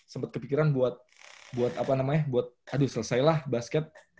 sempet kepikiran buat buat apa namanya buat aduh selesai lah basket